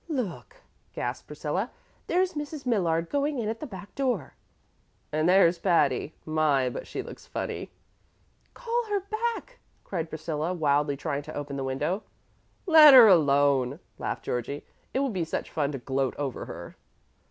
"Look," gasped Priscilla. "There's Mrs. Millard going in at the back door." "And there's Patty. My, but she looks funny!" "Call her back," cried Priscilla, wildly trying to open the window. "Let her alone," laughed Georgie; "it will be such fun to gloat over her."